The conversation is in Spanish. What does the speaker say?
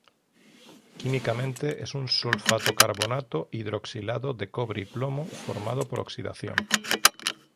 Químicamente es un sulfato-carbonato hidroxilado de cobre y plomo, formado por oxidación.